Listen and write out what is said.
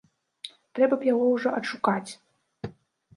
Трэба б яго ўжо адшукаць!